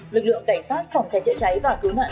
lực lượng cảnh sát phòng cháy chữa cháy và cứu nạn